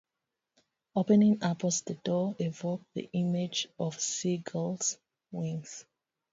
Opening upwards, the doors evoke the image of a seagull's wings.